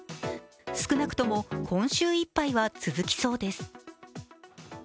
少なくとも今週いっぱいは続きそうです。